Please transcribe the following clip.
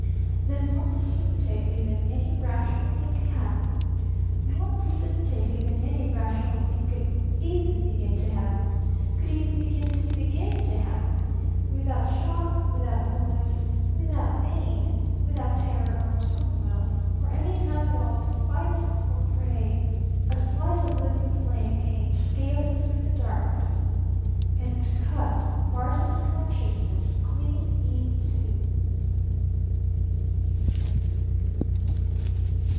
Then more precipitately than any rational thing could happen, more precipitately than any rational thing could even begin to happen, could even begin to begin to happen, without shock, without noise, without pain, without terror or turmoil, or any time at all to fight or pray a slice of living flame came scaling through the darkness and cut Barton's consciousness clean in two!